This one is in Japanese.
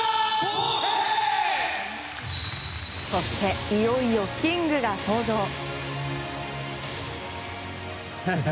そして、いよいよキングが登場。